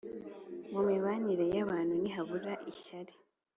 Mu mibanire y’abantu ntihabura ishyari